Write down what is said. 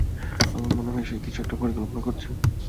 আমার মনে হয় সে কিছু একটা পরিকল্পনা করছে।